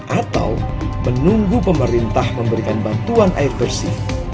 atau menunggu pemerintah memberikan bantuan air bersih